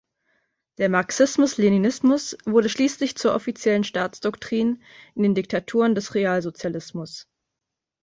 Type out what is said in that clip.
Der Marxismus-Leninismus wurde schließlich zur offiziellen Staatsdoktrin in den Diktaturen des Realsozialismus.